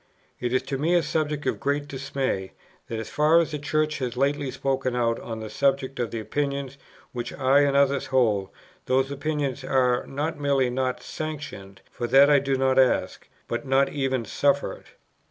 "It is to me a subject of great dismay, that, as far as the Church has lately spoken out, on the subject of the opinions which I and others hold, those opinions are, not merely not sanctioned (for that I do not ask), but not even suffered.